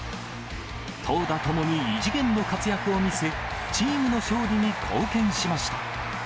投打ともに異次元の活躍を見せ、チームの勝利に貢献しました。